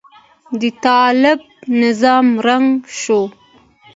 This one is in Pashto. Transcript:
د طالب نظام ړنګ شو.